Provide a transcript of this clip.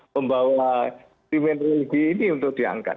membawa timun religi ini untuk diangkat